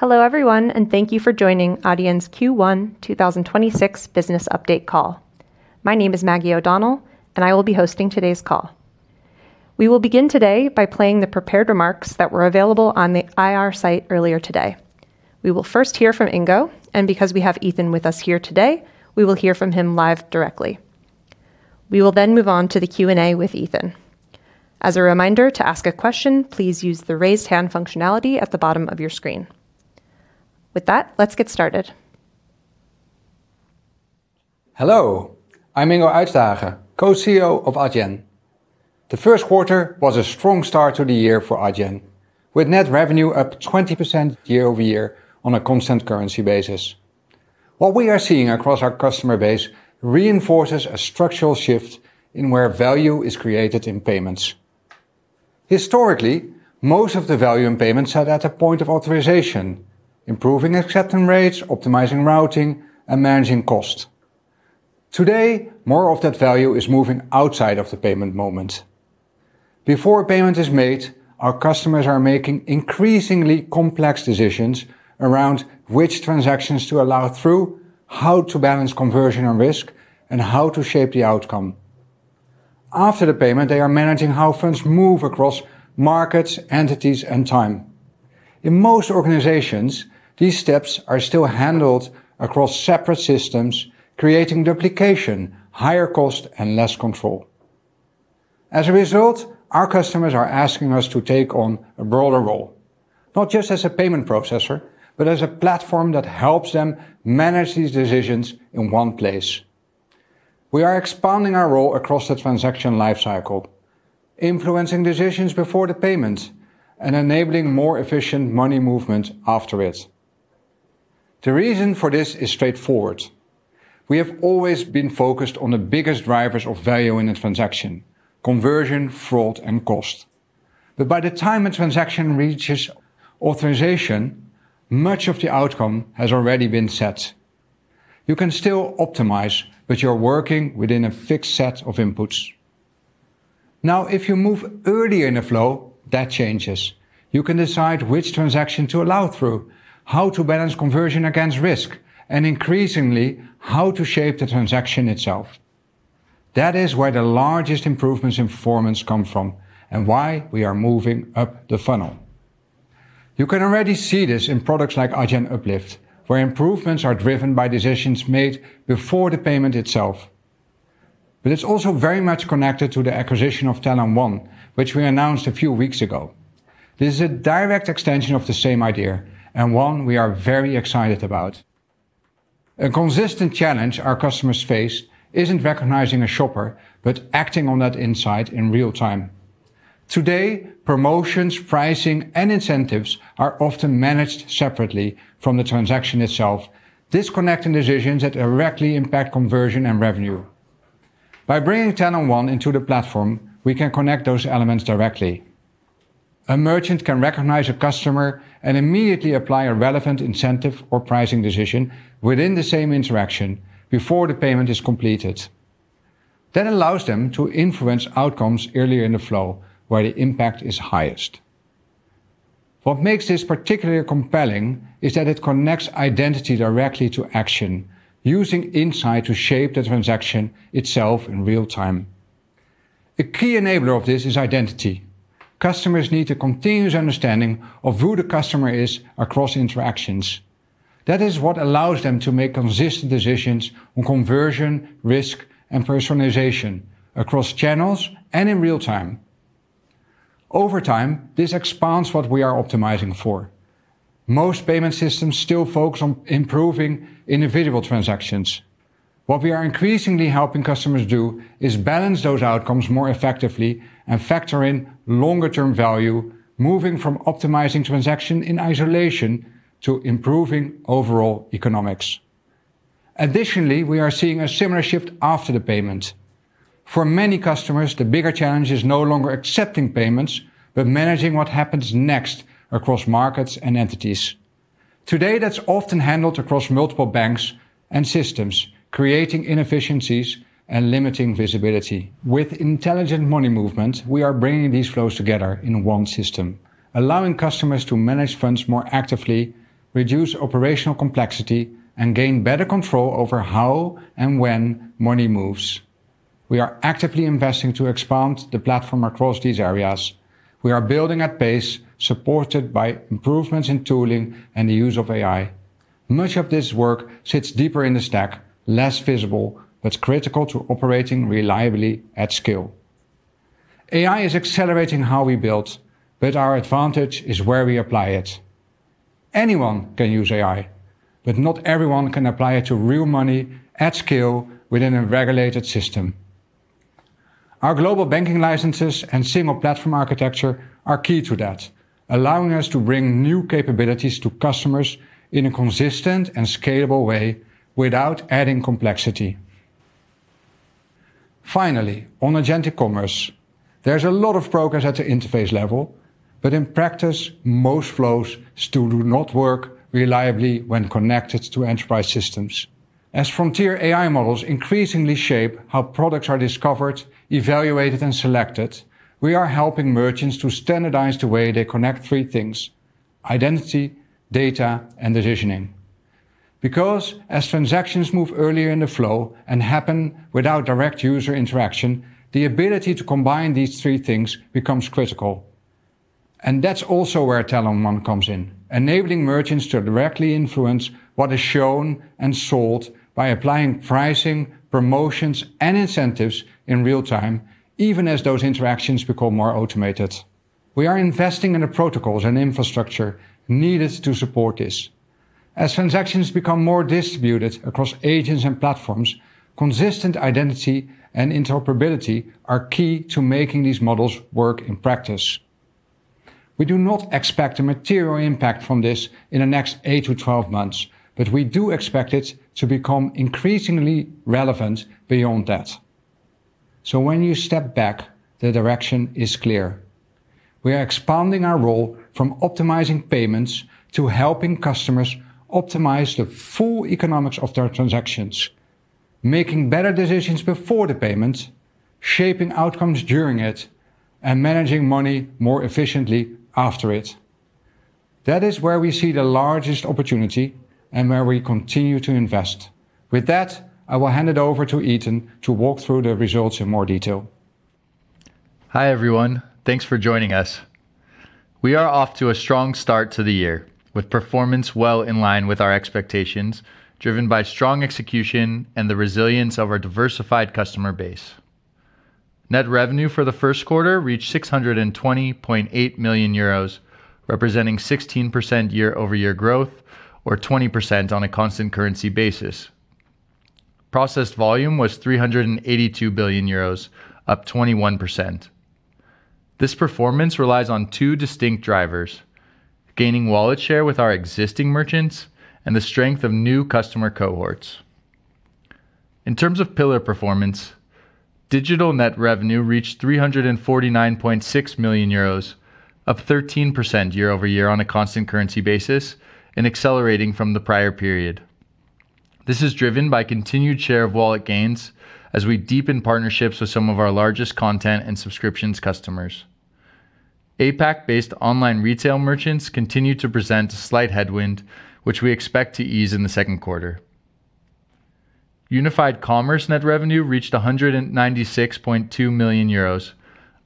Hello everyone, and thank you for joining Adyen's Q1 2026 Business Update Call. My name is Maggie O'Donnell, and I will be hosting today's call. We will begin today by playing the prepared remarks that were available on the IR site earlier today. We will first hear from Ingo, and because we have Ethan with us here today, we will hear from him live directly. We will move on to the Q&A with Ethan. As a reminder, to ask a question, please use the raise hand functionality at the bottom of your screen. With that, let's get started. Hello, I'm Ingo Uytdehaage, Co-CEO of Adyen. The first quarter was a strong start to the year for Adyen, with net revenue up 20% year-over-year on a constant currency basis. What we are seeing across our customer base reinforces a structural shift in where value is created in payments. Historically, most of the value in payments sat at a point of authorization, improving acceptance rates, optimizing routing, and managing cost. Today, more of that value is moving outside of the payment moment. Before a payment is made, our customers are making increasingly complex decisions around which transactions to allow through, how to balance conversion and risk, and how to shape the outcome. After the payment, they are managing how funds move across markets, entities, and time. In most organizations, these steps are still handled across separate systems, creating duplication, higher cost, and less control. As a result, our customers are asking us to take on a broader role, not just as a payment processor, but as a platform that helps them manage these decisions in one place. We are expanding our role across the transaction life cycle, influencing decisions before the payment and enabling more efficient money movement after it. The reason for this is straightforward. We have always been focused on the biggest drivers of value in a transaction, conversion, fraud, and cost. By the time a transaction reaches authorization, much of the outcome has already been set. You can still optimize, but you're working within a fixed set of inputs. Now, if you move earlier in the flow, that changes. You can decide which transaction to allow through, how to balance conversion against risk, and increasingly, how to shape the transaction itself. That is where the largest improvements in performance come from and why we are moving up the funnel. You can already see this in products like Adyen Uplift, where improvements are driven by decisions made before the payment itself. It's also very much connected to the acquisition of Talon.One, which we announced a few weeks ago. This is a direct extension of the same idea and one we are very excited about. A consistent challenge our customers face isn't recognizing a shopper, but acting on that insight in real time. Today, promotions, pricing, and incentives are often managed separately from the transaction itself, disconnecting decisions that directly impact conversion and revenue. By bringing Talon.One into the platform, we can connect those elements directly. A merchant can recognize a customer, and immediately apply a relevant incentive or pricing decision within the same interaction before the payment is completed. That allows them to influence outcomes earlier in the flow where the impact is highest. What makes this particularly compelling is that it connects identity directly to action, using insight to shape the transaction itself in real time. A key enabler of this is identity. Customers need a continuous understanding of who the customer is across interactions. That is what allows them to make consistent decisions on conversion, risk, and personalization across channels and in real time. Over time, this expands what we are optimizing for. Most payment systems still focus on improving individual transactions. What we are increasingly helping customers do is balance those outcomes more effectively and factor in longer-term value, moving from optimizing transaction in isolation to improving overall economics. Additionally, we are seeing a similar shift after the payment. For many customers, the bigger challenge is no longer accepting payments, but managing what happens next across markets and entities. Today, that's often handled across multiple banks and systems, creating inefficiencies and limiting visibility. With Intelligent Money Movement, we are bringing these flows together in one system, allowing customers to manage funds more actively, reduce operational complexity, and gain better control over how and when money moves. We are actively investing to expand the platform across these areas. We are building at pace, supported by improvements in tooling and the use of AI. Much of this work sits deeper in the stack, less visible, but critical to operating reliably at scale. AI is accelerating how we build, but our advantage is where we apply it. Anyone can use AI, but not everyone can apply it to real money at scale within a regulated system. Our global banking licenses and single platform architecture are key to that, allowing us to bring new capabilities to customers in a consistent and scalable way without adding complexity. On agentic commerce, there's a lot of progress at the interface level, but in practice, most flows still do not work reliably when connected to enterprise systems. As Frontier AI models increasingly shape how products are discovered, evaluated, and selected, we are helping merchants to standardize the way they connect three things, identity, data, and decisioning. As transactions move earlier in the flow and happen without direct user interaction, the ability to combine these three things becomes critical. That's also where Talon.One comes in, enabling merchants to directly influence what is shown and sold by applying pricing, promotions, and incentives in real time, even as those interactions become more automated. We are investing in the protocols and infrastructure needed to support this. As transactions become more distributed across agents and platforms, consistent identity and interoperability are key to making these models work in practice. We do not expect a material impact from this in the next eight to 12 months, but we do expect it to become increasingly relevant beyond that. When you step back, the direction is clear. We are expanding our role from optimizing payments to helping customers optimize the full economics of their transactions, making better decisions before the payment, shaping outcomes during it, and managing money more efficiently after it. That is where we see the largest opportunity and where we continue to invest. With that, I will hand it over to Ethan to walk through the results in more detail. Hi, everyone. Thanks for joining us. We are off to a strong start to the year, with performance well in line with our expectations, driven by strong execution and the resilience of our diversified customer base. Net revenue for the first quarter reached 620.8 million euros, representing 16% year-over-year growth or 20% on a constant currency basis. Processed volume was 382 billion euros, up 21%. This performance relies on 2 distinct drivers, gaining wallet share with our existing merchants and the strength of new customer cohorts. In terms of pillar performance, digital net revenue reached 349.6 million euros, up 13% year-over-year on a constant currency basis and accelerating from the prior period. This is driven by continued share of wallet gains, as we deepen partnerships with some of our largest content and subscriptions customers. APAC-based online retail merchants continue to present a slight headwind, which we expect to ease in the second quarter. Unified Commerce net revenue reached 196.2 million euros,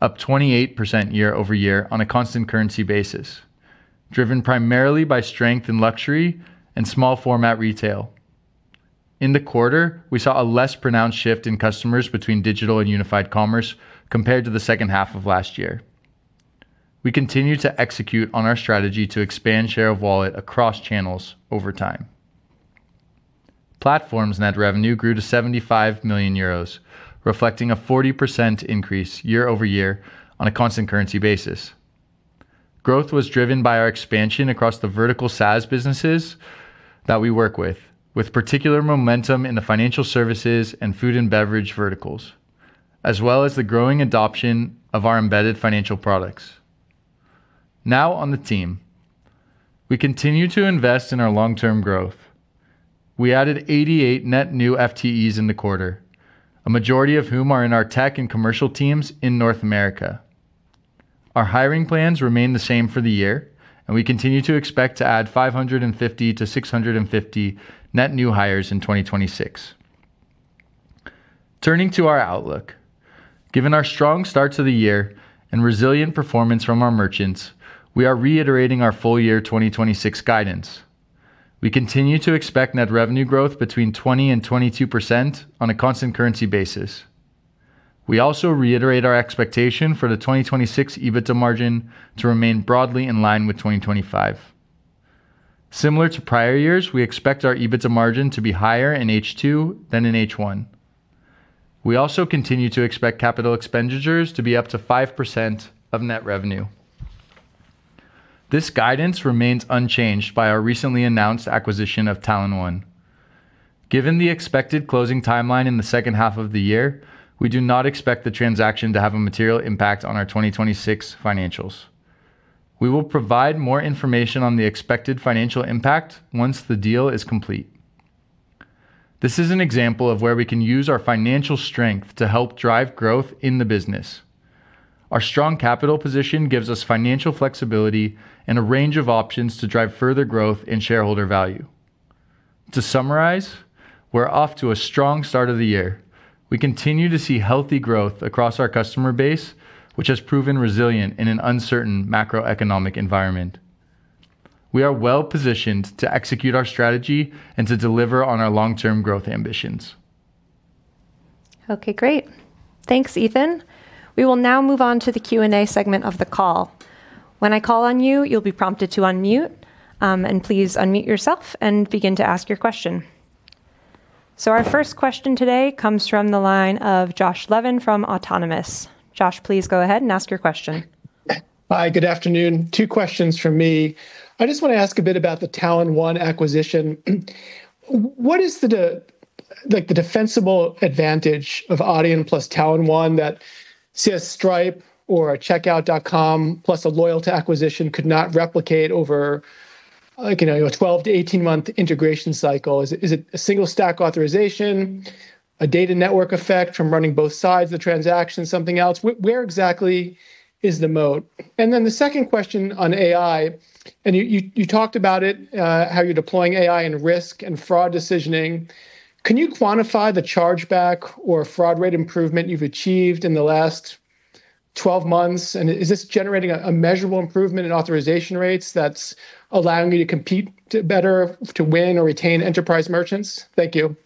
up 28% year-over-year on a constant currency basis, driven primarily by strength in luxury and small format retail. In the quarter, we saw a less pronounced shift in customers between digital and Unified Commerce compared to the second half of last year. We continue to execute on our strategy to expand share of wallet across channels over time. Platforms net revenue grew to 75 million euros, reflecting a 40% increase year-over-year on a constant currency basis. Growth was driven by our expansion across the vertical SaaS businesses that we work with particular momentum in the financial services and food and beverage verticals, as well as the growing adoption of our embedded financial products. On the team. We continue to invest in our long-term growth. We added 88 net new FTEs in the quarter, a majority of whom are in our tech and commercial teams in North America. Our hiring plans remain the same for the year, and we continue to expect to add 550-650 net new hires in 2026. Turning to our outlook. Given our strong start to the year and resilient performance from our merchants, we are reiterating our full-year 2026 guidance. We continue to expect net revenue growth between 20% and 22% on a constant currency basis. We also reiterate our expectation for the 2026 EBITDA margin to remain broadly in line with 2025. Similar to prior years, we expect our EBITDA margin to be higher in H2 than in H1. We also continue to expect capital expenditures to be up to 5% of net revenue. This guidance remains unchanged by our recently announced acquisition of Talon.One. Given the expected closing timeline in the second half of the year, we do not expect the transaction to have a material impact on our 2026 financials. We will provide more information on the expected financial impact once the deal is complete. This is an example of where we can use our financial strength to help drive growth in the business. Our strong capital position gives us financial flexibility and a range of options to drive further growth and shareholder value. To summarize, we're off to a strong start of the year. We continue to see healthy growth across our customer base, which has proven resilient in an uncertain macroeconomic environment. We are well-positioned to execute our strategy and to deliver on our long-term growth ambitions. Okay, great. Thanks, Ethan. We will now move on to the Q&A segment of the call. When I call on you'll be prompted to unmute, and please unmute yourself and begin to ask your question. Our first question today comes from the line of Josh Levin from Autonomous. Josh, please go ahead and ask your question. Hi, good afternoon. Two questions from me. I just want to ask a bit about the Talon.One acquisition. What is the defensible advantage of Adyen plus Talon.One that, say a Stripe or a Checkout.com plus a loyalty acquisition could not replicate over, like, you know, a 12 to 18-month integration cycle. Is it a single stack authorization, a data network effect from running both sides of the transaction, something else? Where exactly is the moat? The second question on AI, and you talked about it, how you're deploying AI in risk and fraud decisioning. Can you quantify the chargeback or fraud rate improvement you've achieved in the last 12 months? Is this generating a measurable improvement in authorization rates that's allowing you to compete to win or retain enterprise merchants? Thank you.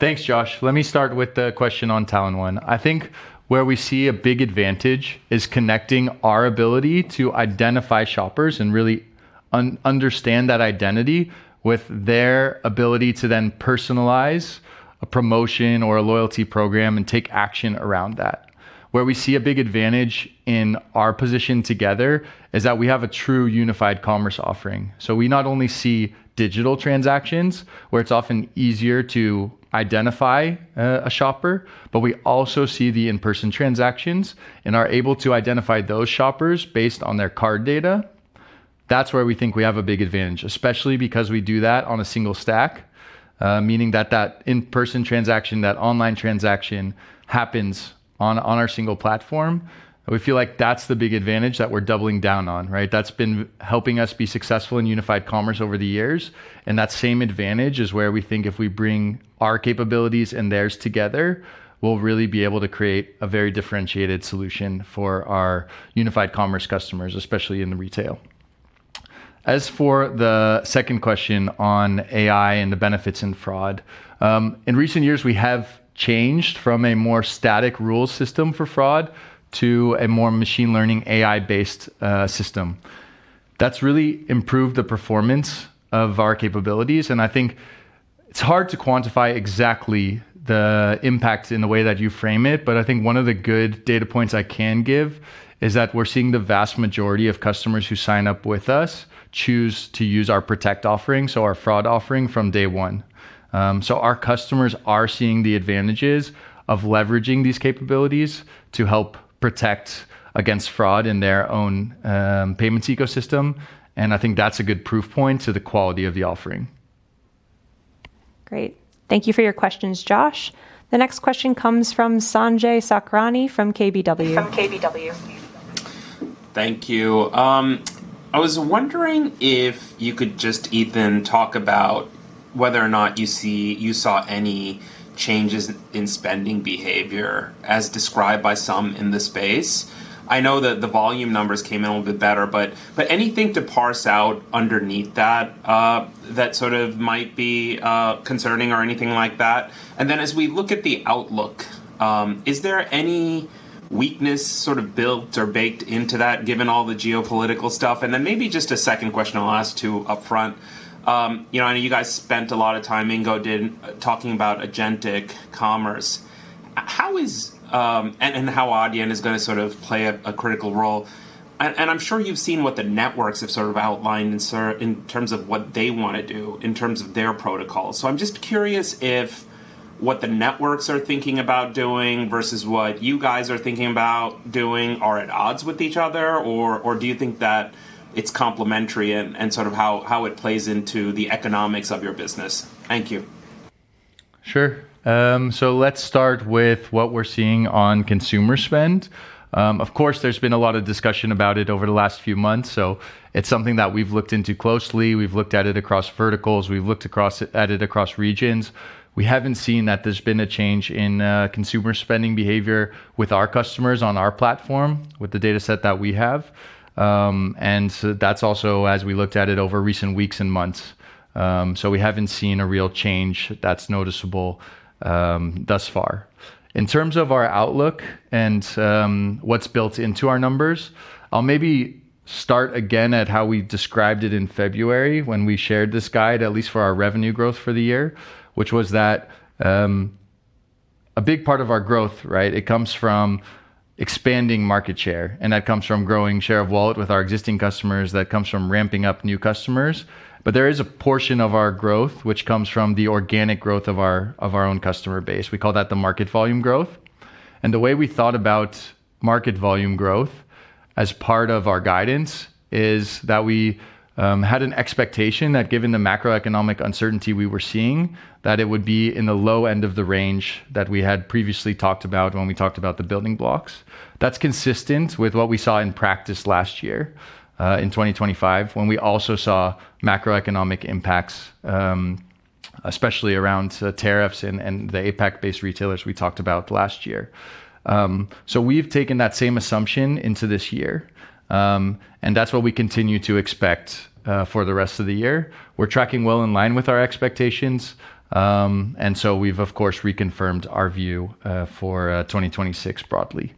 Thanks Josh. Let me start with the question on Talon.One. I think where we see a big advantage is connecting our ability to identify shoppers and really understand that identity with their ability to then personalize a promotion or a loyalty program and take action around that. Where we see a big advantage in our position together is that we have a true unified commerce offering, so we not only see digital transactions where it's often easier to identify a shopper, but we also see the in-person transactions and are able to identify those shoppers based on their card data. That's where we think we have a big advantage, especially because we do that on a single stack. Meaning that that in-person transaction, that online transaction happens on our single platform. We feel like that's the big advantage that we're doubling down on, right? That's been helping us be successful in unified commerce over the years. That same advantage is where we think if we bring our capabilities and theirs together, we'll really be able to create a very differentiated solution for our unified commerce customers, especially in retail. As for the second question on AI and the benefits in fraud, in recent years we have changed from a more static rule system for fraud to a more machine learning AI-based system. That's really improved the performance of our capabilities. I think it's hard to quantify exactly the impact in the way that you frame it. I think one of the good data points I can give is that we're seeing the vast majority of customers who sign up with us choose to use our Protect offering, so our fraud offering, from day 1. Our customers are seeing the advantages of leveraging these capabilities to help protect against fraud in their own payments ecosystem. I think that's a good proof point to the quality of the offering. Great. Thank you for your questions, Josh. The next question comes from Sanjay Sakhrani from KBW. Thank you. I was wondering if you could just, Ethan, talk about whether or not you saw any changes in spending behavior as described by some in the space. I know that the volume numbers came in a little bit better, but anything to parse out underneath that that sort of might be concerning or anything like that? As we look at the outlook, is there any weakness sort of built or baked into that given all the geopolitical stuff? Maybe just a second question I'll ask too, up front, you know, I know you guys spent a lot of time, Ingo did, talking about agentic commerce. How Adyen is going to sort of play a critical role. I'm sure you've seen what the networks have sort of outlined in terms of what they want to do in terms of their protocols. I'm just curious if what the networks are thinking about doing versus what you guys are thinking about doing are at odds with each other, or do you think that it's complementary in sort of how it plays into the economics of your business? Thank you. Sure. Let's start with what we're seeing on consumer spend. Of course, there's been a lot of discussion about it over the last few months, so it's something that we've looked into closely. We've looked at it across verticals. We've looked at it across regions. We haven't seen that there's been a change in consumer spending behavior with our customers on our platform with the data set that we have. That's also as we looked at it over recent weeks and months. We haven't seen a real change that's noticeable thus far. In terms of our outlook and what's built into our numbers, I'll maybe start again at how we described it in February when we shared this guide, at least for our revenue growth for the year, which was that a big part of our growth, right, it comes from expanding market share, and that comes from growing share of wallet with our existing customers. That comes from ramping up new customers. There is a portion of our growth which comes from the organic growth of our own customer base. We call that the market volume growth. The way we thought about market volume growth as part of our guidance is that we had an expectation that given the macroeconomic uncertainty we were seeing, that it would be in the low end of the range that we had previously talked about when we talked about the building blocks. That's consistent with what we saw in practice last year, in 2025, when we also saw macroeconomic impacts, especially around the tariffs and the APAC-based retailers we talked about last year. We've taken that same assumption into this year, and that's what we continue to expect for the rest of the year. We're tracking well in line with our expectations, we've of course reconfirmed our view for 2026 broadly.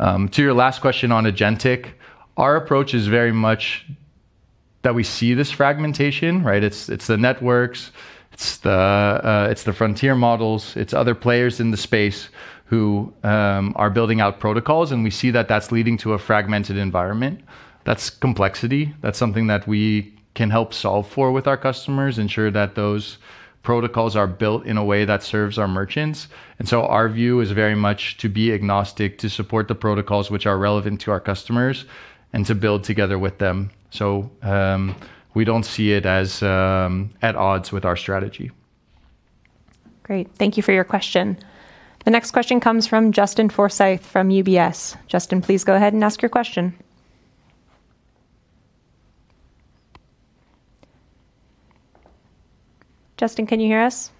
To your last question on agentic, our approach is very much that we see this fragmentation, right? It's the networks, it's the frontier models, it's other players in the space who are building out protocols, and we see that that's leading to a fragmented environment. That's complexity. That's something that we can help solve for with our customers, ensure that those protocols are built in a way that serves our merchants. Our view is very much to be agnostic, to support the protocols which are relevant to our customers and to build together with them. We don't see it as at odds with our strategy. Great. Thank you for your question. The next question comes from Justin Forsythe from UBS. Justin, please go ahead and ask your question. Justin, can you hear us?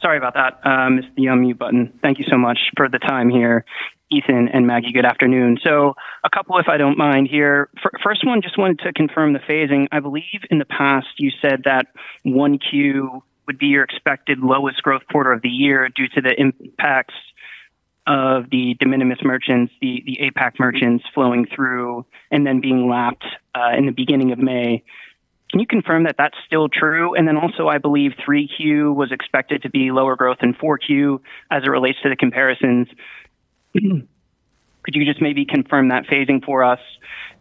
Sorry about that. Missed the unmute button. Thank you so much for the time here. Ethan and Maggie O'Donnell, good afternoon. A couple, if I don't mind, here. First one, just wanted to confirm the phasing. I believe in the past you said that 1Q would be your expected lowest growth quarter of the year due to the impacts of the de minimis merchants, the APAC merchants flowing through and then being lapped in the beginning of May. Can you confirm that that's still true? Also, I believe 3Q was expected to be lower growth than 4Q as it relates to the comparisons. Could you just maybe confirm that phasing for us?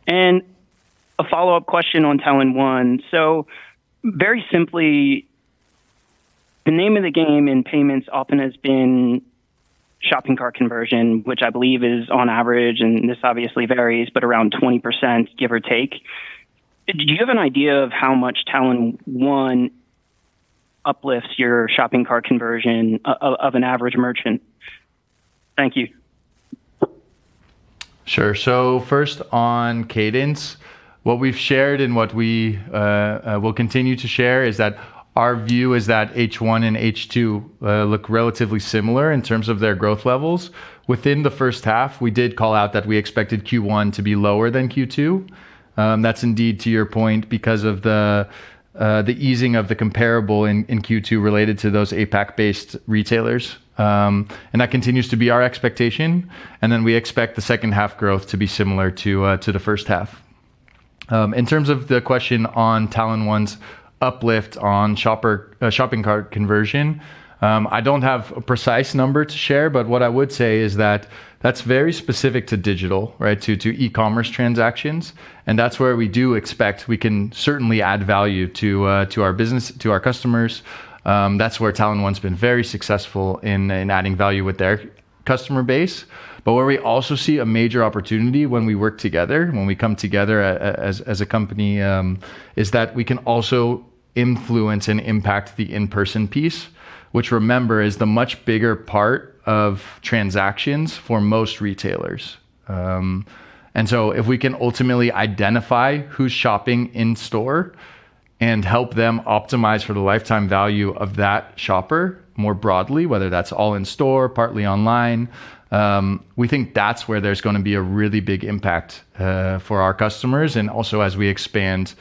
A follow-up question on Talon.One. Very simply, the name of the game in payments often has been shopping cart conversion, which I believe is on average, and this obviously varies, but around 20%, give or take. Do you have an idea of how much Talon.One uplifts your shopping cart conversion of an average merchant? Thank you. Sure. First on cadence, what we've shared and what we will continue to share is that our view is that H1 and H2 look relatively similar in terms of their growth levels. Within the first half, we did call out that we expected Q1 to be lower than Q2. That's indeed to your point because of the easing of the comparable in Q2 related to those APAC-based retailers. That continues to be our expectation, and then we expect the second half growth to be similar to the first half. In terms of the question on Talon.One's uplift on shopping cart conversion, I don't have a precise number to share, but what I would say is that, that's very specific to digital, right? To e-commerce transactions, That's where we do expect we can certainly add value to our business, to our customers. That's where Talon.One's been very successful in adding value with their customer base. Where we also see a major opportunity when we work together, when we come together as a company, is that we can also influence and impact the in-person piece, which remember, is the much bigger part of transactions for most retailers. If we can ultimately identify who's shopping in store and help them optimize for the lifetime value of that shopper more broadly, whether that's all in store, partly online, we think that's where there's going to be a really big impact for our customers and also as we expand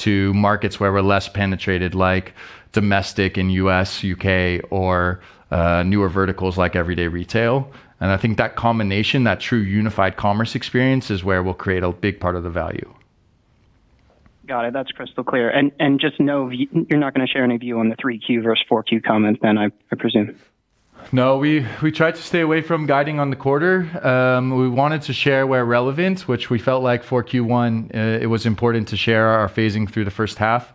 to markets where we're less penetrated, like domestic in U.S., U.K., or newer verticals like everyday retail. I think that combination, that true unified commerce experience is where we'll create a big part of the value. Got it. That's crystal clear. Just know you're not going to share any view on the 3Q versus 4Q comments then, I presume. No. We try to stay away from guiding on the quarter. We wanted to share where relevant, which we felt like for Q1, it was important to share our phasing through the first half.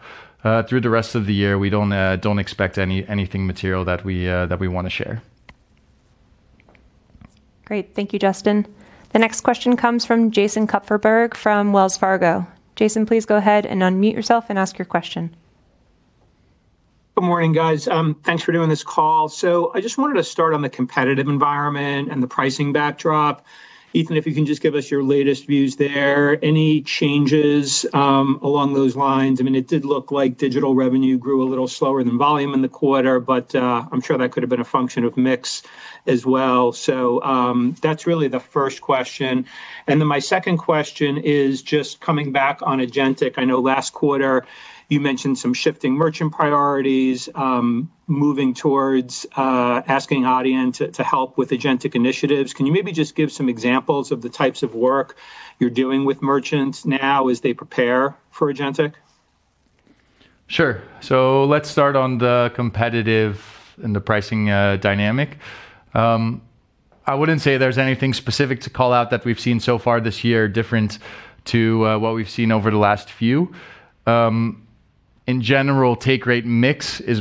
Through the rest of the year, we don't expect anything material that we that we want to share. Great. Thank you, Justin. The next question comes from Jason Kupferberg from Wells Fargo. Jason, please go ahead and unmute yourself and ask your question. Good morning, guys. thanks for doing this call. I just wanted to start on the competitive environment and the pricing backdrop. Ethan, if you can just give us your latest views there. Any changes along those lines? I mean, it did look like digital revenue grew a little slower than volume in the quarter, but I'm sure that could have been a function of mix as well. That's really the first question. My second question is just coming back on agentic. I know last quarter you mentioned some shifting merchant priorities, moving towards asking Adyen to help with agentic initiatives. Can you maybe just give some examples of the types of work you're doing with merchants now as they prepare for agentic? Sure. Let's start on the competitive and the pricing dynamic. I wouldn't say there's anything specific to call out that we've seen so far this year different to what we've seen over the last few. In general, take rate is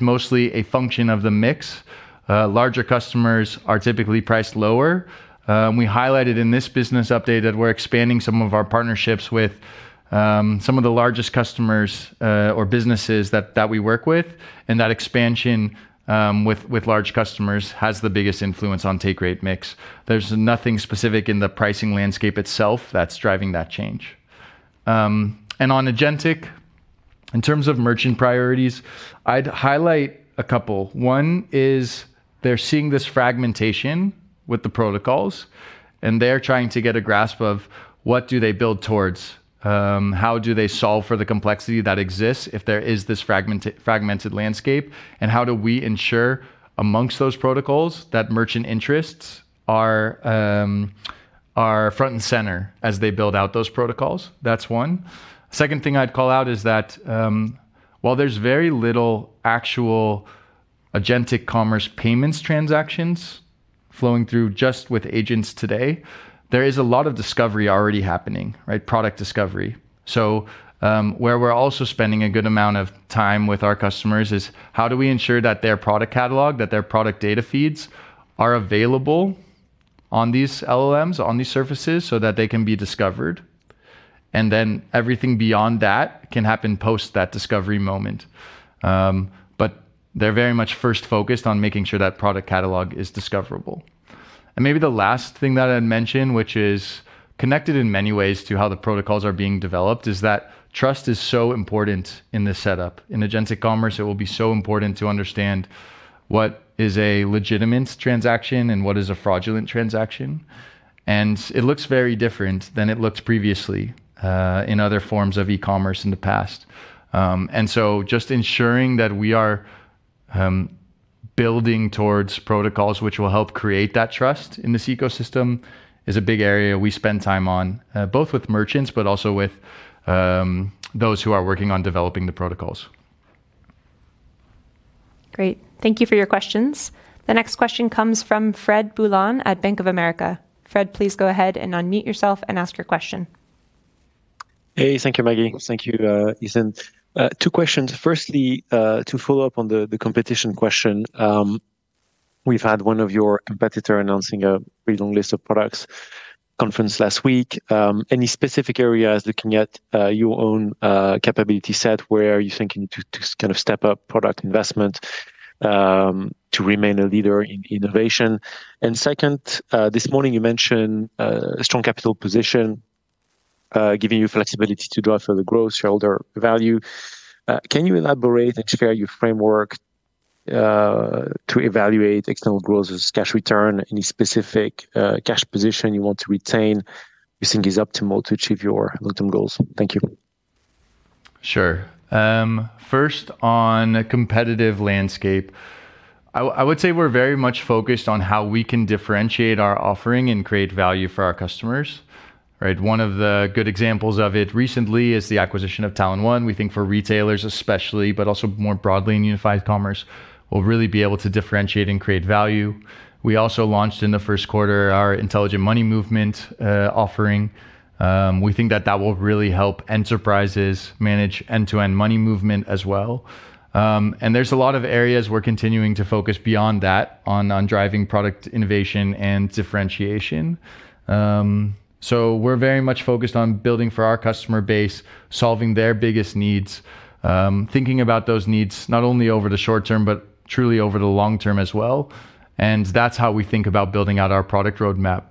mostly a function of the mix. Larger customers are typically priced lower. We highlighted in this business update that we're expanding some of our partnerships with some of the largest customers or businesses that we work with, and that expansion with large customers has the biggest influence on take rate mix. There's nothing specific in the pricing landscape itself that's driving that change. And on agentic, in terms of merchant priorities, I'd highlight a couple. One is they're seeing this fragmentation with the protocols, and they're trying to get a grasp of what do they build towards, how do they solve for the complexity that exists if there is this fragmented landscape, and how do we ensure amongst those protocols that merchant interests Are front and center as they build out those protocols. That's one. Second thing I'd call out is that while there's very little actual agentic commerce payments transactions flowing through just with agents today, there is a lot of discovery already happening, right? Product discovery. Where we're also spending a good amount of time with our customers is, how do we ensure that their product catalog, that their product data feeds are available on these LLMs, on these surfaces so that they can be discovered? Then everything beyond that can happen post that discovery moment. They're very much first focused on making sure that product catalog is discoverable. Maybe the last thing that I'd mention, which is connected in many ways to how the protocols are being developed, is that trust is so important in this setup. In agentic commerce, it will be so important to understand what is a legitimate transaction and what is a fraudulent transaction, and it looks very different than it looked previously in other forms of e-commerce in the past. Just ensuring that we are building towards protocols which will help create that trust in this ecosystem is a big area we spend time on, both with merchants, but also with those who are working on developing the protocols. Great. Thank you for your questions. The next question comes from Fred Boulan at Bank of America. Fred, please go ahead and unmute yourself and ask your question. Hey, thank you, Maggie. Thank you, Ethan. Two questions. Firstly, to follow up on the competition question. We've had one of your competitor announcing a pretty long list of products conference last week. Any specific areas looking at your own capability set? Where are you thinking to kind of step up product investment to remain a leader in innovation? Second, this morning you mentioned a strong capital position, giving you flexibility to drive further growth, shareholder value. Can you elaborate and share your framework to evaluate external growth as cash return? Any specific cash position you want to retain you think is optimal to achieve your long-term goals? Thank you. Sure. First, on competitive landscape, I would say we're very much focused on how we can differentiate our offering and create value for our customers, right? One of the good examples of it recently is the acquisition of Talon.One. We think for retailers especially, but also more broadly in unified commerce, we'll really be able to differentiate and create value. We also launched in the first quarter our Intelligent Money Movement offering. We think that that will really help enterprises manage end-to-end money movement as well. There's a lot of areas we're continuing to focus beyond that on driving product innovation and differentiation. We're very much focused on building for our customer base, solving their biggest needs, thinking about those needs not only over the short term, but truly over the long term as well, and that's how we think about building out our product roadmap.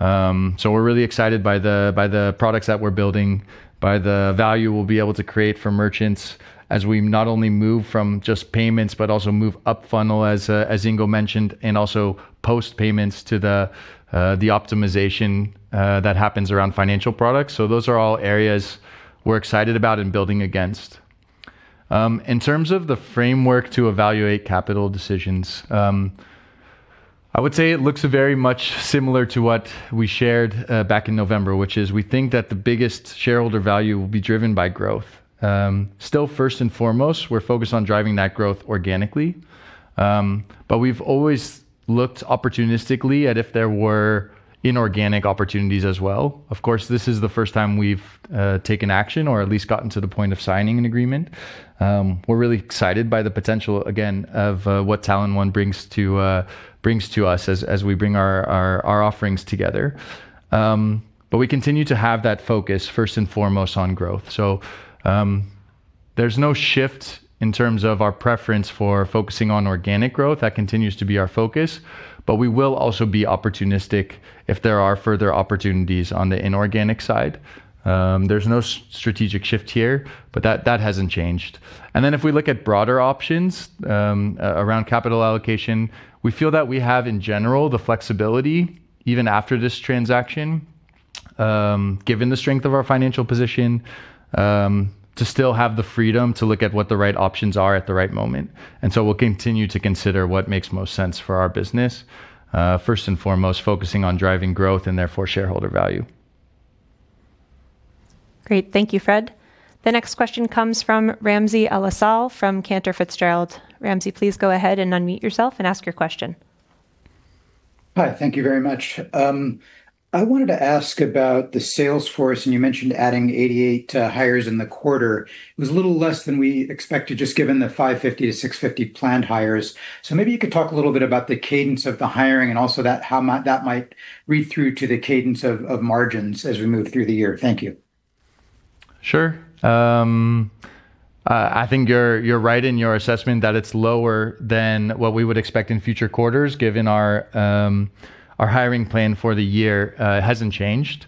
We're really excited by the products that we're building, by the value we'll be able to create for merchants as we not only move from just payments, but also move up funnel as Ingo mentioned, and also post payments to the optimization that happens around financial products. Those are all areas we're excited about and building against. In terms of the framework to evaluate capital decisions, I would say it looks very much similar to what we shared back in November, which is we think that the biggest shareholder value will be driven by growth. Still, first and foremost, we're focused on driving that growth organically. We've always looked opportunistically at if there were inorganic opportunities as well. Of course, this is the first time we've taken action or at least gotten to the point of signing an agreement. We're really excited by the potential, again, of what Talon.One brings to brings to us as we bring our offerings together. We continue to have that focus first and foremost on growth. There's no shift in terms of our preference for focusing on organic growth. That continues to be our focus, but we will also be opportunistic if there are further opportunities on the inorganic side. There's no strategic shift here, but that hasn't changed. If we look at broader options around capital allocation, we feel that we have in general the flexibility even after this transaction, given the strength of our financial position, to still have the freedom to look at what the right options are at the right moment. We'll continue to consider what makes most sense for our business, first and foremost focusing on driving growth and therefore shareholder value. Great. Thank you, Fred. The next question comes from Ramsey El-Assal from Cantor Fitzgerald. Ramsey, please go ahead and unmute yourself and ask your question. Hi. Thank you very much. I wanted to ask about the sales force, and you mentioned adding 88 hires in the quarter. It was a little less than we expected just given the 550-650 planned hires. Maybe you could talk a little bit about the cadence of the hiring and also how that might read through to the cadence of margins as we move through the year. Thank you. Sure. I think you're right in your assessment that it's lower than what we would expect in future quarters given our hiring plan for the year hasn't changed.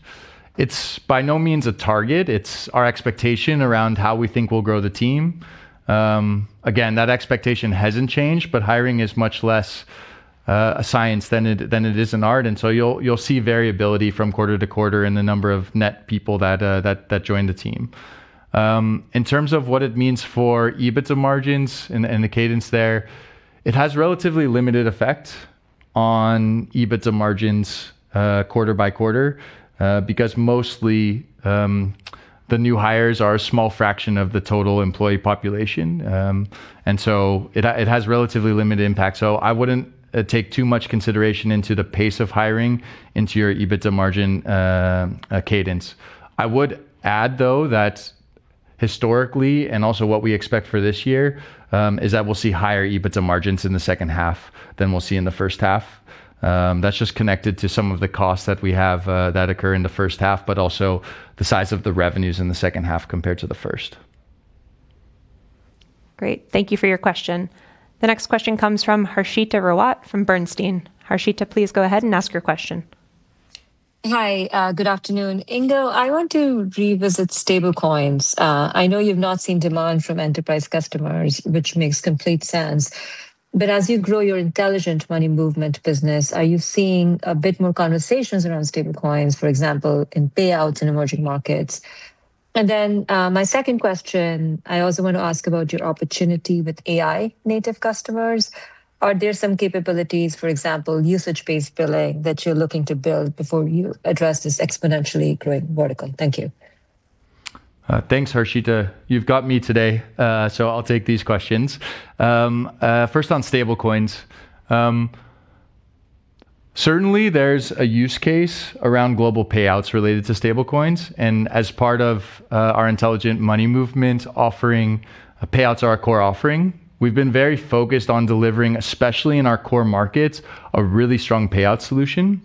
It's by no means a target. It's our expectation around how we think we'll grow the team. Again, that expectation hasn't changed, but hiring is much less a science than it, than it is an art, and so you'll see variability from quarter to quarter in the number of net people that join the team. In terms of what it means for EBITDA margins and the cadence there, it has relatively limited effect on EBITDA margins quarter by quarter because mostly the new hires are a small fraction of the total employee population. It has relatively limited impact. I wouldn't take too much consideration into the pace of hiring into your EBITDA margin cadence. I would add though that historically, and also what we expect for this year, is that we'll see higher EBITDA margins in the second half than we'll see in the first half. That's just connected to some of the costs that we have that occur in the first half, but also the size of the revenues in the second half compared to the first. Great. Thank you for your question. The next question comes from Harshita Rawat from Bernstein. Harshita, please go ahead and ask your question. Hi, good afternoon. Ingo, I want to revisit stablecoins. I know you've not seen demand from enterprise customers, which makes complete sense. As you grow your Intelligent Money Movement business, are you seeing a bit more conversations around stablecoins, for example, in payouts in emerging markets? Then, my second question, I also want to ask about your opportunity with AI-native customers. Are there some capabilities, for example, usage-based billing, that you're looking to build before you address this exponentially growing vertical? Thank you. Thanks, Harshita. You've got me today, I'll take these questions. First on stablecoins. Certainly there's a use case around global payouts related to stablecoins, and as part of our Intelligent Money Movement offering, payouts are our core offering. We've been very focused on delivering, especially in our core markets, a really strong payout solution.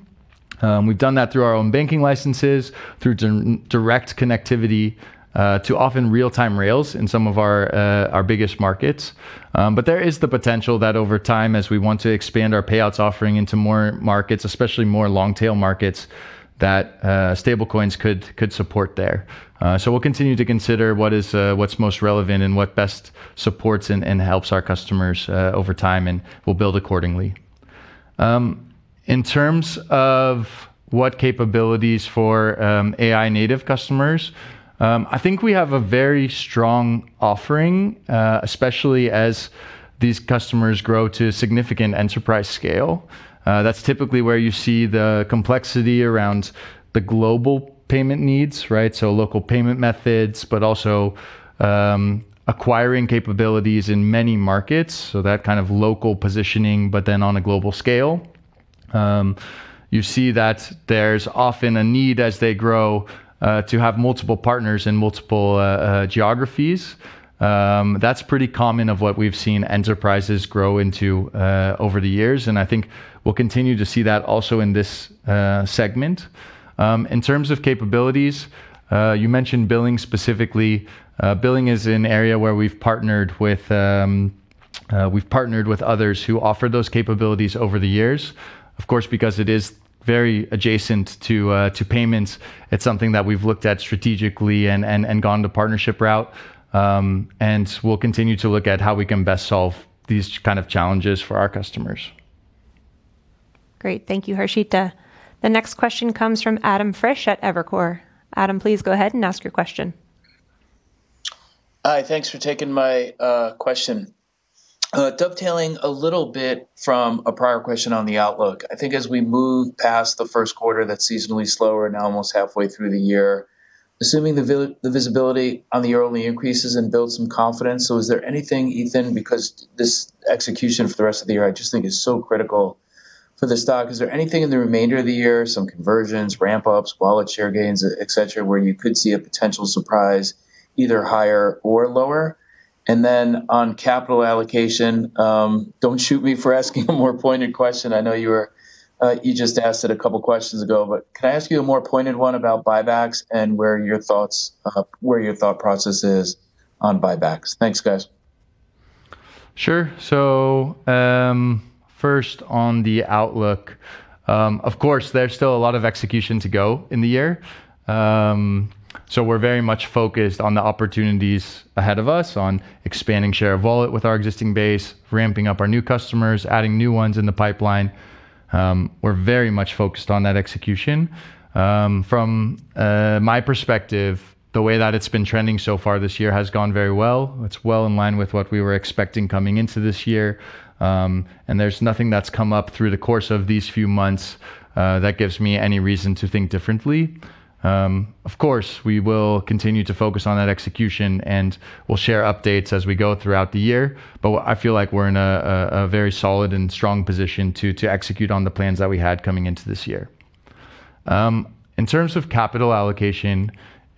We've done that through our own banking licenses, through direct connectivity to often real-time rails in some of our biggest markets. There is the potential that over time, as we want to expand our payouts offering into more markets, especially more long-tail markets, that stablecoins could support there. We'll continue to consider what is what's most relevant and what best supports and helps our customers over time, and we'll build accordingly. In terms of what capabilities for AI native customers, I think we have a very strong offering, especially as these customers grow to significant enterprise scale. That's typically where you see the complexity around the global payment needs, right? Local payment methods, but also acquiring capabilities in many markets, so that kind of local positioning, but then on a global scale. You see that there's often a need as they grow to have multiple partners in multiple geographies. That's pretty common of what we've seen enterprises grow into over the years. I think we'll continue to see that also in this segment. In terms of capabilities, you mentioned billing specifically. Billing is an area where we've partnered with others who offer those capabilities over the years. Of course, because it is very adjacent to payments, it's something that we've looked at strategically and gone the partnership route. We'll continue to look at how we can best solve these kind of challenges for our customers. Great. Thank you, Harshita. The next question comes from Adam Frisch at Evercore. Adam, please go ahead and ask your question. Hi. Thanks for taking my question. Dovetailing a little bit from a prior question on the outlook, I think as we move past the first quarter that's seasonally slower and almost halfway through the year, assuming the visibility on the yearly increases and builds some confidence, is there anything, Ethan, because this execution for the rest of the year I just think is so critical for the stock, is there anything in the remainder of the year, some conversions, ramp-ups, wallet share gains, etc, where you could see a potential surprise either higher or lower? On capital allocation, don't shoot me for asking a more pointed question. I know you were, you just asked it a couple questions ago. Could I ask you a more pointed one about buybacks and where your thought process is on buybacks? Thanks, guys. Sure. First on the outlook, of course, there's still a lot of execution to go in the year. We're very much focused on the opportunities ahead of us on expanding share of wallet with our existing base, ramping up our new customers, adding new ones in the pipeline. We're very much focused on that execution. From my perspective, the way that it's been trending so far this year has gone very well. It's well in line with what we were expecting coming into this year. There's nothing that's come up through the course of these few months that gives me any reason to think differently. Of course, we will continue to focus on that execution, and we'll share updates as we go throughout the year. I feel like we're in a very solid and strong position to execute on the plans that we had coming into this year. In terms of capital allocation,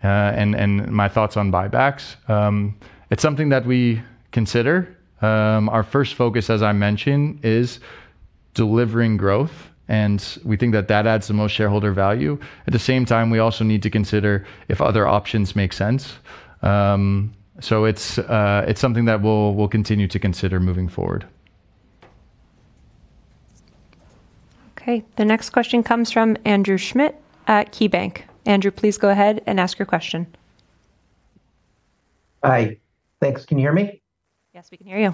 and my thoughts on buybacks, it's something that we consider. Our first focus, as I mentioned, is delivering growth, and we think that that adds the most shareholder value. At the same time, we also need to consider if other options make sense. It's something that we'll continue to consider moving forward. Okay. The next question comes from Andrew Schmidt at KeyBanc. Andrew, please go ahead and ask your question. Hi. Thanks. Can you hear me? Yes, we can hear you.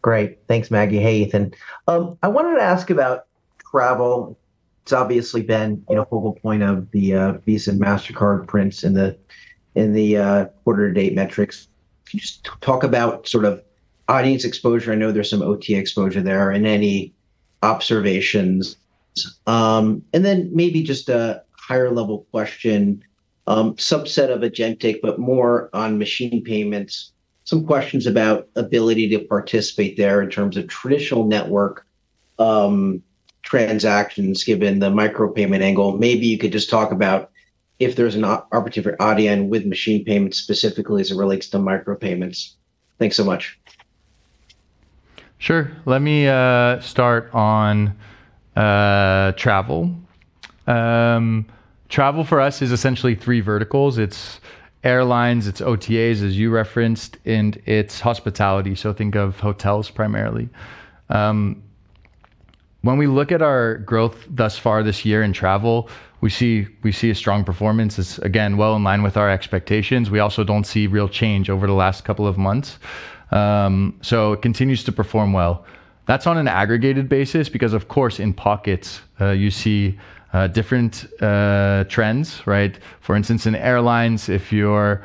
Great. Thanks, Maggie. Hey, Ethan. I wanted to ask about travel. It's obviously been a focal point of the Visa and Mastercard prints in the in the quarter to date metrics. Can you just talk about sort of audience exposure? I know there's some OT exposure there and any observations. Maybe just a higher-level question, subset of agentic, more on machine payments. Some questions about ability to participate there in terms of traditional network transactions, given the micro payment angle. Maybe you could just talk about if there's an opportunity for Adyen with machine payments specifically as it relates to micro payments. Thanks so much. Sure. Let me start on travel. Travel for us is essentially three verticals. It's airlines, it's OTAs, as you referenced, and it's hospitality. Think of hotels primarily. When we look at our growth thus far this year in travel, we see a strong performance. It's, again, well in line with our expectations. We also don't see real change over the last couple of months. It continues to perform well. That's on an aggregated basis because, of course, in pockets, you see different trends, right? For instance, in airlines, if you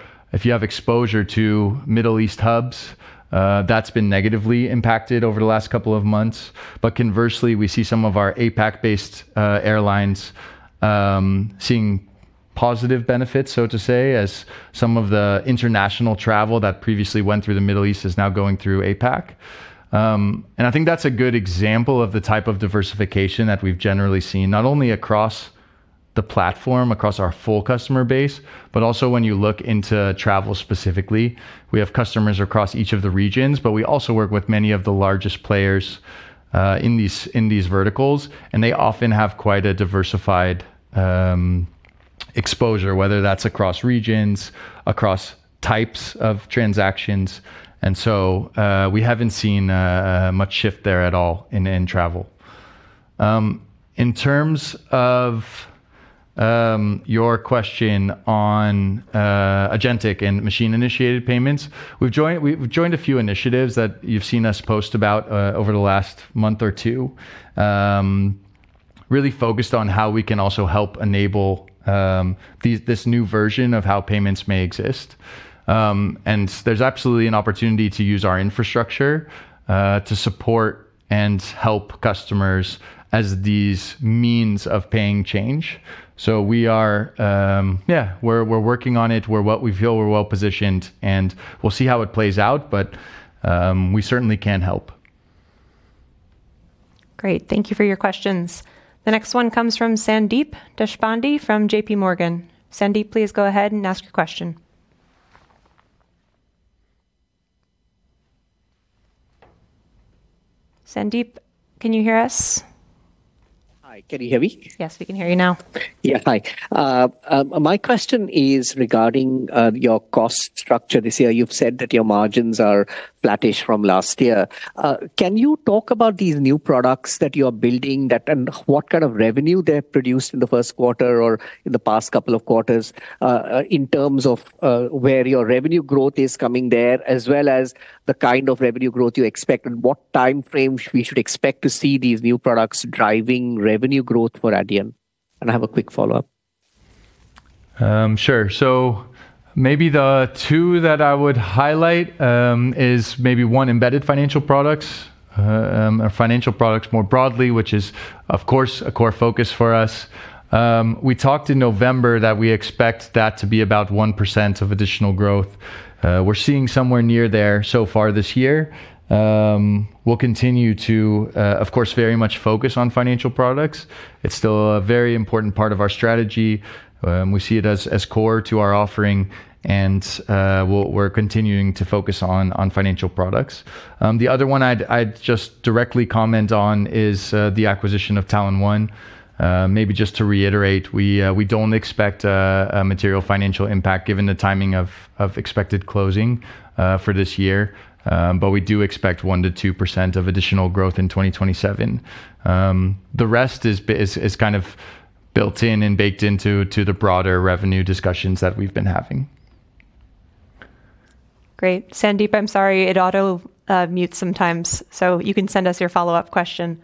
have exposure to Middle East hubs, that's been negatively impacted over the last couple of months. Conversely, we see some of our APAC-based airlines, so to say, seeing positive benefits as some of the international travel that previously went through the Middle East is now going through APAC. I think that's a good example of the type of diversification that we've generally seen, not only across the platform, across our full customer base, but also when you look into travel specifically. We have customers across each of the regions, but we also work with many of the largest players in these verticals, and they often have quite a diversified exposure, whether that's across regions, across types of transactions. We haven't seen much shift there at all in travel. In terms of your question on agentic and machine-initiated payments, we've joined a few initiatives that you've seen us post about over the last month or two, really focused on how we can also help enable this new version of how payments may exist. There's absolutely an opportunity to use our infrastructure to support and help customers as these means of paying change. We are, we're working on it. We feel we're well-positioned, and we'll see how it plays out. We certainly can help. Great. Thank you for your questions. The next one comes from Sandeep Deshpande from JPMorgan. Sandeep, please go ahead and ask your question. Sandeep, can you hear us? Hi, can you hear me? Yes, we can hear you now. Hi. My question is regarding your cost structure this year. You have said that your margins are flattish from last year. Can you talk about these new products that you are building and what kind of revenue they produced in the first quarter or in the past couple of quarters, in terms of where your revenue growth is coming there, as well as the kind of revenue growth you expect and what timeframe we should expect to see these new products driving revenue growth for Adyen? I have a quick follow-up. Sure. Maybe the two that I would highlight is one, embedded financial products, or financial products more broadly, which is, of course, a core focus for us. We talked in November that we expect that to be about 1% of additional growth. We're seeing somewhere near there so far this year. We'll continue to, of course, very much focus on financial products. It's still a very important part of our strategy. We see it as core to our offering, and we're continuing to focus on financial products. The other one I'd just directly comment on is the acquisition of Talon.One. Maybe just to reiterate, we don't expect a material financial impact given the timing of expected closing for this year. We do expect 1%-2% of additional growth in 2027. The rest is kind of built in and baked into, to the broader revenue discussions that we've been having. Great. Sandeep, I'm sorry, it auto mutes sometimes, you can send us your follow-up question.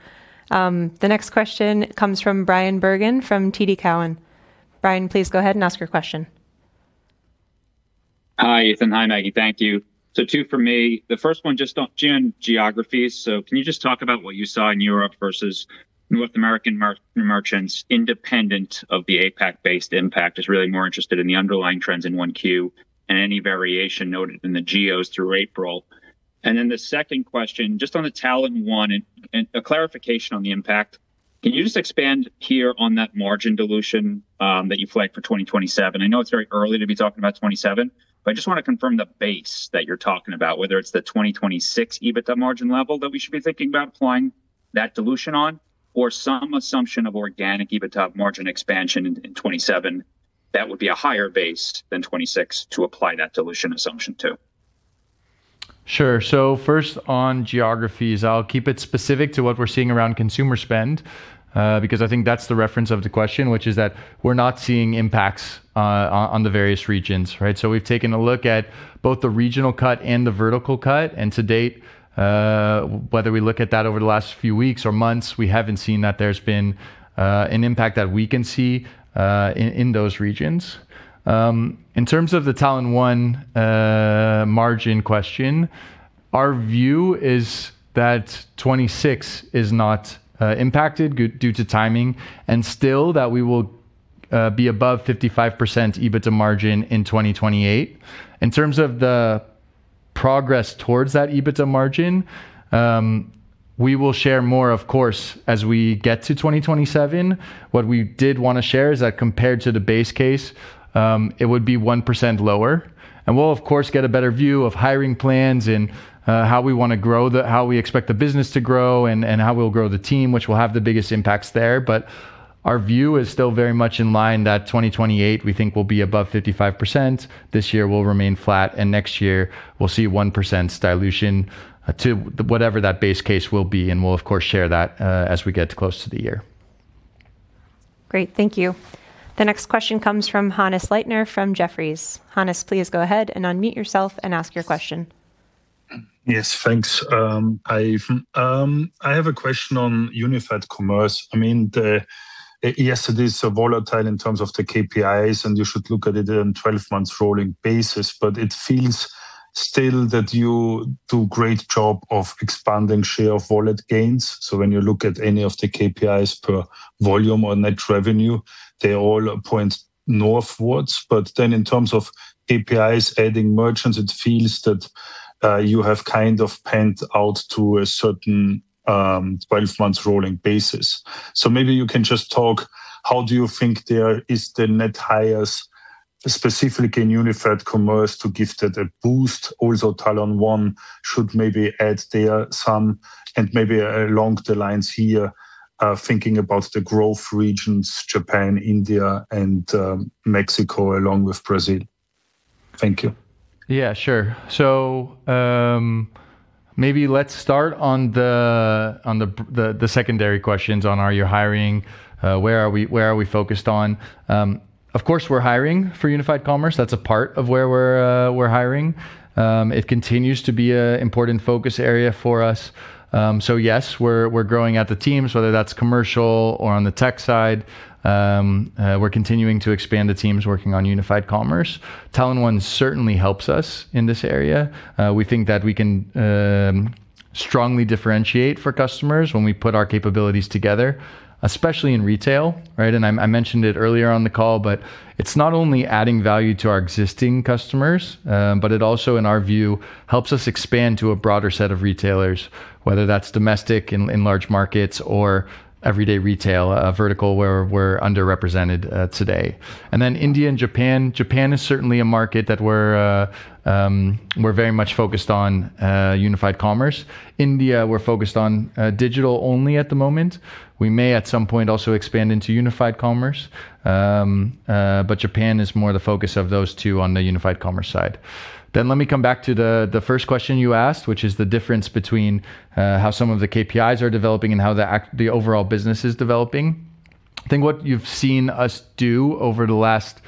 The next question comes from Bryan Bergin from TD Cowen. Bryan, please go ahead and ask your question. Hi, Ethan. Hi, Maggie. Thank you. Two for me. The first one just on geography. Can you just talk about what you saw in Europe versus North American merchants independent of the APAC-based impact? Just really more interested in the underlying trends in Q1 and any variation noted in the geos through April. The second question, just on the Talon.One and a clarification on the impact. Can you just expand here on that margin dilution that you flagged for 2027? I know it's very early to be talking about 2027, I just want to confirm the base that you're talking about, whether it's the 2026 EBITDA margin level that we should be thinking about applying that dilution on or some assumption of organic EBITDA margin expansion in 2027 that would be a higher base than 2026 to apply that dilution assumption to. Sure. First on geographies, I'll keep it specific to what we're seeing around consumer spend, because I think that's the reference of the question, which is that we're not seeing impacts on the various regions, right? We've taken a look at both the regional cut and the vertical cut, and to date, whether we look at that over the last few weeks or months, we haven't seen that there's been an impact that we can see in those regions. In terms of the Talon.One margin question, our view is that 2026 is not impacted due to timing, and still that we will be above 55% EBITDA margin in 2028. In terms of the progress towards that EBITDA margin, we will share more, of course, as we get to 2027. What we did want to share is that compared to the base case, it would be 1% lower. We'll of course, get a better view of hiring plans and how we want to grow, how we expect the business to grow and how we'll grow the team, which will have the biggest impacts there. Our view is still very much in line that 2028, we think will be above 55%. This year we'll remain flat, next year we'll see 1% dilution to whatever that base case will be, we'll of course share that as we get close to the year. Great. Thank you. The next question comes from Hannes Leitner from Jefferies. Hannes, please go ahead and unmute yourself and ask your question. Yes, thanks. I have a question on unified commerce. I mean, yes, it is so volatile in terms of the KPIs, and you should look at it in 12 months rolling basis, but it feels still that you do great job of expanding share of wallet gains. When you look at any of the KPIs per volume or net revenue, they all point northwards. In terms of KPIs adding merchants, it feels that you have kind of panned out to a certain 12 months rolling basis. Maybe you can just talk, how do you think there is the net hires, specifically in unified commerce, to give that a boost. Talon.One should maybe add there some, and maybe along the lines here, thinking about the growth regions, Japan, India, and Mexico, along with Brazil. Thank you. Yeah, sure. Maybe let's start on the secondary questions on are you hiring, where are we focused on. Of course, we're hiring for unified commerce. That's a part of where we're hiring. It continues to be a important focus area for us. Yes, we're growing out the teams, whether that's commercial or on the tech side. We're continuing to expand the teams working on unified commerce. Talon.One certainly helps us in this area. We think that we can strongly differentiate for customers when we put our capabilities together, especially in retail, right? I mentioned it earlier on the call, but it's not only adding value to our existing customers, but it also, in our view, helps us expand to a broader set of retailers, whether that's domestic in large markets or everyday retail vertical where we're underrepresented today. India and Japan. Japan is certainly a market that we're very much focused on unified commerce. India, we're focused on digital only at the moment. We may at some point also expand into unified commerce. Japan is more the focus of those two on the unified commerce side. Let me come back to the first question you asked, which is the difference between how some of the KPIs are developing and how the overall business is developing. I think what you've seen us do over the last,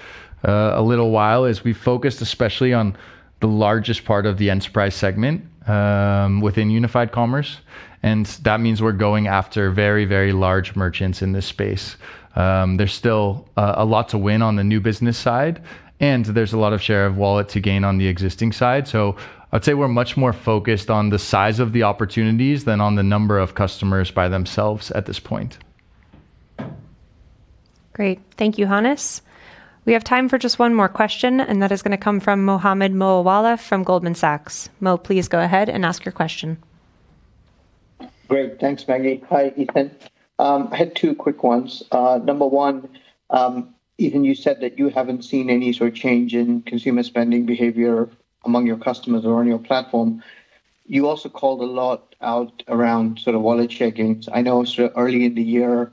a little while is, we focused especially on the largest part of the enterprise segment, within unified commerce. That means we're going after very, very large merchants in this space. There's still a lot to win on the new business side, and there's a lot of share of wallet to gain on the existing side. I'd say we're much more focused on the size of the opportunities than on the number of customers by themselves at this point. Great. Thank you, Hannes. We have time for just one more question, and that is going to come from Mohammed Moawalla from Goldman Sachs. Mo, please go ahead and ask your question. Great. Thanks, Maggie. Hi, Ethan. I had two quick ones. Number 1, Ethan, you said that you haven't seen any sort of change in consumer spending behavior among your customers or on your platform. You also called a lot out around sort of wallet share gains. I know sort of early in the year,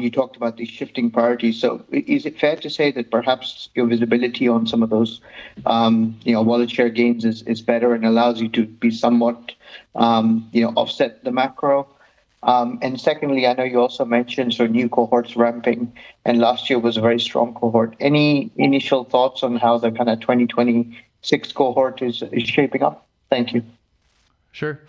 you talked about these shifting priorities. Is it fair to say that perhaps your visibility on some of those, you know, wallet share gains is better and allows you to be somewhat, you know, offset the macro? Secondly, I know you also mentioned sort of new cohorts ramping, and last year was a very strong cohort. Any initial thoughts on how the kind of 2026 cohort is shaping up? Thank you. Sure.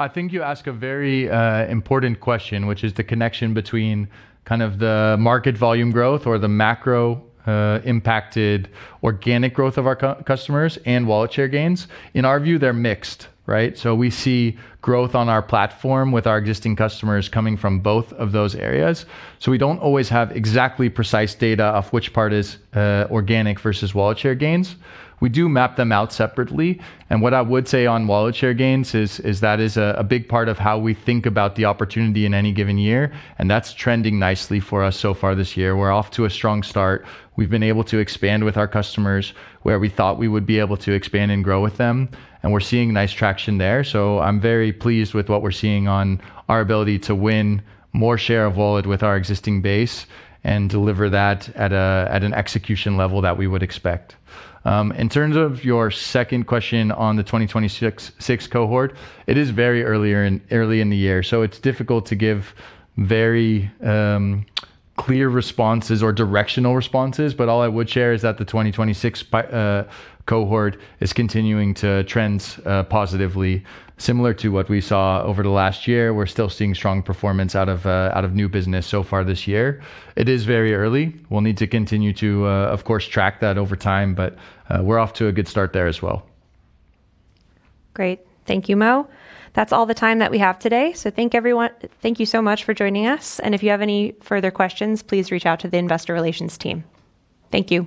I think you ask a very important question, which is the connection between kind of the market volume growth or the macro-impacted organic growth of our customers and wallet share gains. In our view, they're mixed, right? We see growth on our platform with our existing customers coming from both of those areas. We don't always have exactly precise data of which part is organic versus wallet share gains. We do map them out separately, and what I would say on wallet share gains is that is a big part of how we think about the opportunity in any given year, and that's trending nicely for us so far this year. We're off to a strong start. We've been able to expand with our customers where we thought we would be able to expand and grow with them, and we're seeing nice traction there. I'm very pleased with what we're seeing on our ability to win more share of wallet with our existing base, and deliver that at an execution level that we would expect. In terms of your second question on the 2026 cohort, it is very early in the year, so it's difficult to give very clear responses or directional responses. All I would share is that the 2026 cohort is continuing to trend positively, similar to what we saw over the last year. We're still seeing strong performance out of new business so far this year. It is very early. We'll need to continue to, of course, track that over time, but we're off to a good start there as well. Great. Thank you, Mo. That's all the time that we have today. Thank you so much for joining us, and if you have any further questions, please reach out to the investor relations team. Thank you.